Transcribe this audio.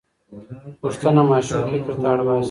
پوښتنه ماشوم فکر ته اړ باسي.